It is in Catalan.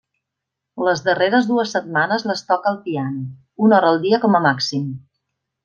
Les darreres dues setmanes les toca al piano, una hora al dia com a màxim.